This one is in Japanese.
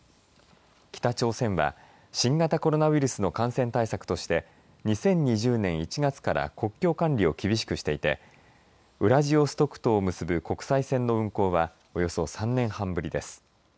北朝鮮は新型コロナウイルスの感染対策として２０２０年１月から国境管理を厳しくしていてウラジオストクとを結ぶ国際線の運航はおよそ３年半ぶりです。